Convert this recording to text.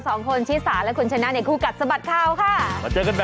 สวัสดีครับคุณชนะสวัสดีค่ะสวัสดีคุณชิสานะฮะ